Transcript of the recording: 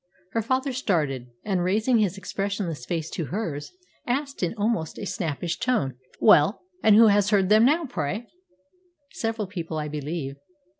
Her father started, and raising his expressionless face to hers, asked in almost a snappish tone, "Well, and who has heard them now, pray?" "Several people, I believe."